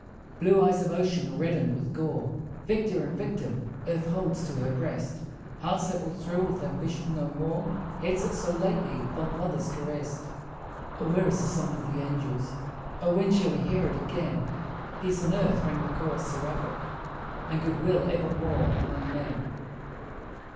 Blue waves of ocean are reddened with gore, Victor and victim earth holds to her breast; Hearts that will thrill with ambition no more; Heads that so lately fond mothers caressed. O where is the song of the angels? O when shall we hear it again? "Peace on earth," rang the chorus seraphic, "And good will evermore among men."